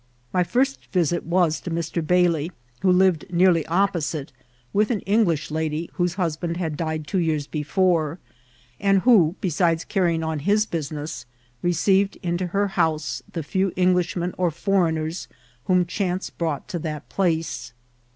My first vkit was to Mr. Bai* Ufi who Uved nearly ofqposite^ with an Epi^yah lady, whose husband had died two years before, and who, besides carrying on his business, received into her hovse the £ew Engtiirimien or foreigners idiom chance hrou|^ to thai plaoe.